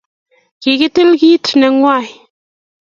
Kakitil ketit nenwach